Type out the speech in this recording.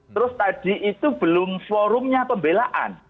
terus tadi itu belum forumnya pembelaan